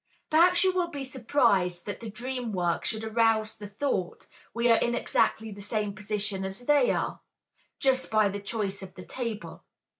Perhaps you will be surprised that the dream work should arouse the thought "we are in exactly the same position as they are," just by the choice of the table.